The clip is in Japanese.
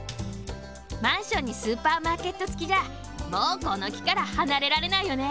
マンションにスーパーマーケットつきじゃもうこのきからはなれられないよね！